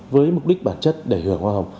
với mục đích bản chất để hưởng hoa hồng